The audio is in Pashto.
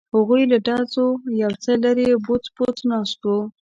هغوی له ډزو یو څه لرې بوڅ بوڅ ناست وو.